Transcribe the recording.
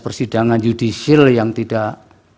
persidangan judicial yang tidak